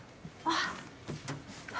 あっ。